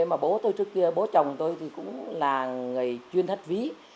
mà bố tôi trước kia bố chồng tôi thì cũng là người chuyên thất ví